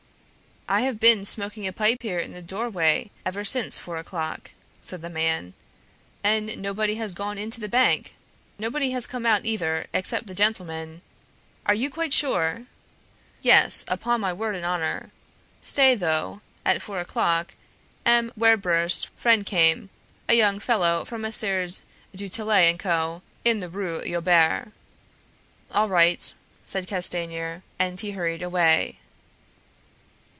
"I have been smoking a pipe here in the doorway ever since four o'clock," said the man, "and nobody has gone into the bank. Nobody has come out either except the gentlemen " "Are you quite sure?" "Yes, upon my word and honor. Stay, though, at four o'clock M. Werbrust's friend came, a young fellow from Messrs. du Tillet & Co., in the Rue Joubert." "All right," said Castanier, and he hurried away.